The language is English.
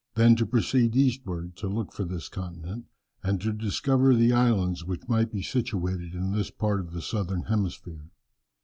Then to proceed eastward, to look for this continent, and to discover the islands which might be situated in this part of the southern hemisphere.